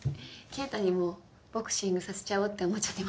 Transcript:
圭太にもボクシングさせちゃおうって思っちゃってます。